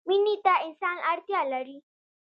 مینې ته انسان اړتیا لري.